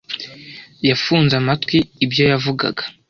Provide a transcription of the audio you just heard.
Yafunze amatwi ibyo yavugaga.